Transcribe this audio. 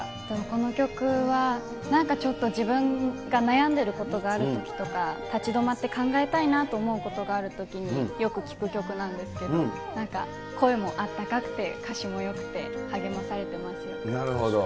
この曲は、なんかちょっと、自分が悩んでいることがあるときとか、立ち止まって考えたいなと思うことがあるときに、よく聴く曲なんですけど、なんか、声もあったかくて歌詞もよくて、なるほど。